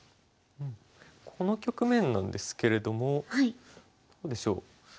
この局面なんですけれどもどうでしょう？